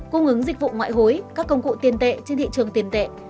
cung ứng dịch vụ ngoại hối các công cụ tiền tệ trên thị trường tiền tệ